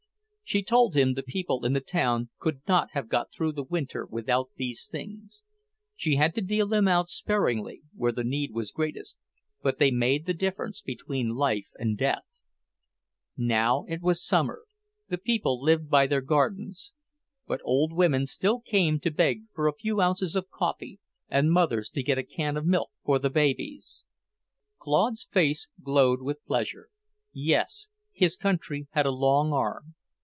She told him the people in the town could not have got through the winter without these things. She had to deal them out sparingly, where the need was greatest, but they made the difference between life and death. Now that it was summer, the people lived by their gardens; but old women still came to beg for a few ounces of coffee, and mothers to get a can of milk for the babies. Claude's face glowed with pleasure. Yes, his country had a long arm.